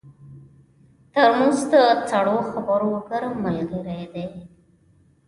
ترموز د سړو خبرو ګرم ملګری دی.